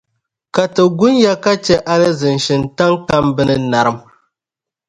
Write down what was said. Ka Ti gunya ka chɛ alizin’ shintaŋ kam bɛ ni narim.